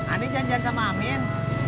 ani janjian sama amin